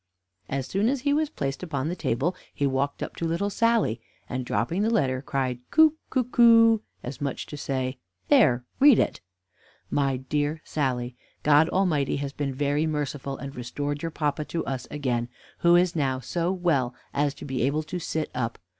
As soon as he was placed upon the table, he walked up to little Sally, and dropping the letter, cried "Co, co, coo;" as much as to say, "There, read it." "My dear Sally God Almighty has been very merciful and restored your papa to us again, who is now so well as to be able to sit up.